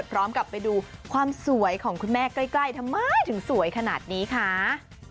แล้วพร้อมกลับไปดูความสวยของคุณแม่เรื่อยทำไมถึงสวยขนาดนี้ค่ะ